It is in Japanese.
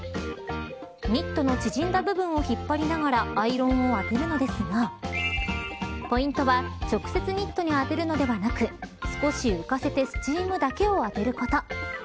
ニットの縮んだ部分を引っ張りながらアイロンを当てるのですがポイントは直接ニットに当てるのではなく少し浮かせてスチームだけを当てること。